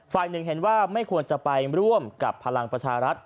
หนึ่งเห็นว่าไม่ควรจะไปร่วมกับพลังประชารัฐ